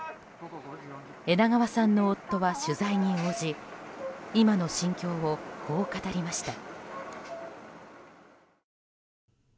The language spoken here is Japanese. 枝川さんの夫は取材に応じ今の心境を、こう語りました。